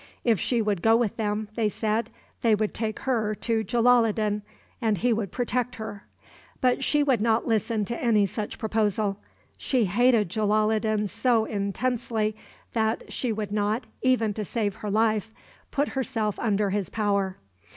If she would go with them, they said, they would take her to Jalaloddin, and he would protect her. But she would not listen to any such proposal. She hated Jalaloddin so intensely that she would not, even to save her life, put herself under his power.